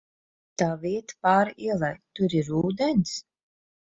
Tā vieta pāri ielai, tur ir ūdens?